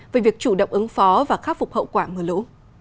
về việc chủ động ứng phó và khắc phục hậu quả mưa lũ